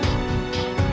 taruh di depan